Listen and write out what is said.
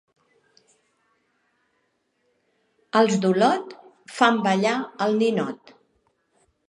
Els d'Olot, fan ballar el ninot.